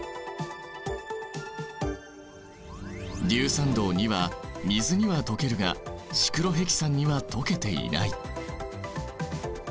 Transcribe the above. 硫酸銅は水には溶けるがシクロヘキサンには溶けていない。